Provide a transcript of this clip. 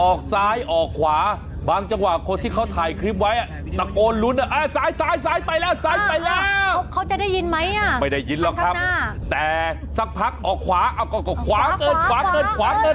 ออกซ้ายออกขวาบางจังหวะคนที่เขาถ่ายคลิปไว้อ่ะตะโกนรุ้น